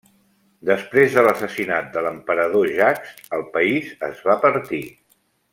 Després de l'assassinat de l'Emperador Jacques, el país es va partir.